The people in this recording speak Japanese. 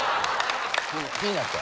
気になった？